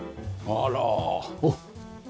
あら。おっ！